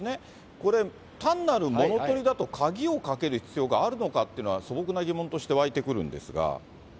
これ、単なる物取りだと、鍵をかける必要があるのかっていうのは、素朴な疑問として湧いてくるんですが。